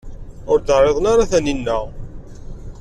Ur d-ɛriḍent ara Taninna.